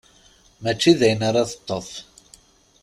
Mačči dayen ara teṭṭef.